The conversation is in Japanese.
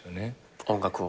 音楽を？